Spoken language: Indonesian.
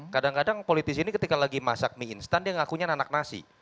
kadang kadang politisi ini ketika lagi masak mie instan dia ngakunya anak nasi